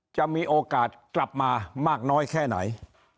จะมีโอกาสกลับมามากน้อยแค่ไหน